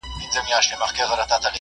ټولنیز بدلون د وخت له اړتیاوو نه بېلېږي.